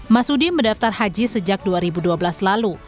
mas udi mendaftar haji sejak dua ribu dua belas lalu